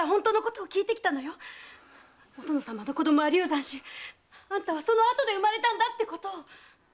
お殿様の子供は流産しあんたはそのあとで産まれたってことを！